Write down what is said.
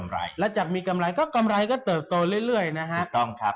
แล้วจากมีกำไรก็กำไรก็เจอโตเรื่อยนะครับ